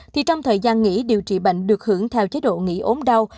thì trong thời gian nghỉ điều trị bệnh được hưởng theo chế độ nghỉ ốm đau